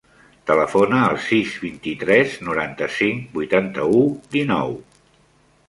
Telefona al sis, vint-i-tres, noranta-cinc, vuitanta-u, dinou.